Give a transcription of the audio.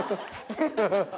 ハハハ。